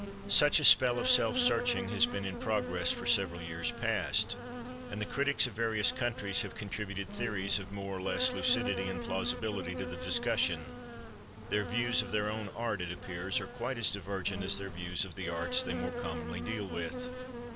Such a spell of self searching has been in progress for several years past, and the critics of various countries have contributed theories of more or less lucidity and plausibility to the discussion. Their views of their own art, it appears, are quite as divergent as their views of the arts they more commonly deal with.